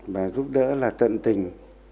và giúp đỡ là tận tình